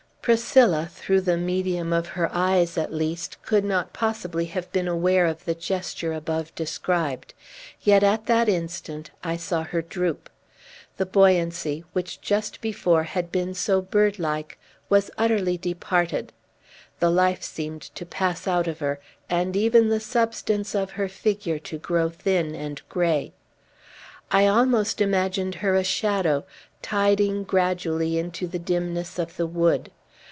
Priscilla through the medium of her eyes, at least could not possibly have been aware of the gesture above described. Yet, at that instant, I saw her droop. The buoyancy, which just before had been so bird like, was utterly departed; the life seemed to pass out of her, and even the substance of her figure to grow thin and gray. I almost imagined her a shadow, tiding gradually into the dimness of the wood.